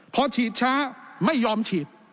พอฉีดช้าไม่ยอมฉีด